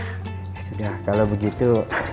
ya sudah kalau begitu